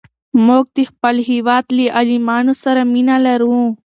موږ د خپل هېواد له عالمانو سره مینه لرو.